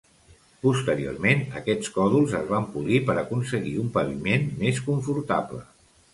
Posteriorment aquests còdols es van polir per aconseguir un paviment més confortable.